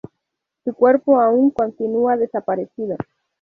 Su cuerpo aún continúa desaparecido.